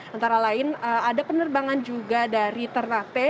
antara lain ada penerbangan juga dari ternate